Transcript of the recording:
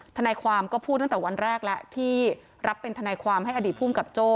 ทนายความก็พูดตั้งแต่วันแรกแล้วที่รับเป็นทนายความให้อดีตภูมิกับโจ้